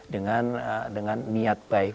dengan niat baik